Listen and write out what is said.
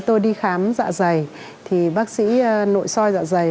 tôi đi khám dạ dày thì bác sĩ nội soi dạ dày